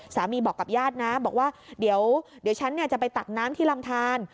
บอกกับญาตินะบอกว่าเดี๋ยวฉันจะไปตักน้ำที่ลำทาน